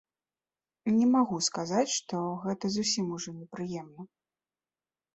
Не магу сказаць, што гэта зусім ужо непрыемна.